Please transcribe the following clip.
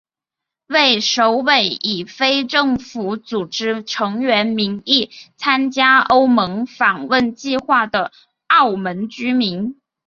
为首位以非政府组织成员名义参加欧盟访问计划的澳门居民。